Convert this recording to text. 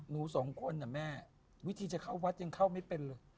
หนูสองคนน่ะแม่วิธีจะเข้าวัดยังเข้าไม่เป็นเลย